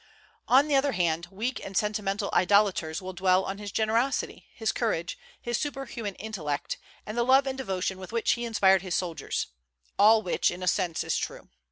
On the other hand, weak and sentimental idolaters will dwell on his generosity, his courage, his superhuman intellect, and the love and devotion with which he inspired his soldiers, all which in a sense is true.